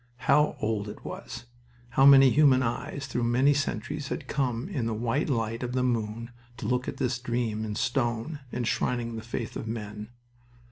How old it was! How many human eyes through many centuries had come in the white light of the moon to look at this dream in stone enshrining the faith of men!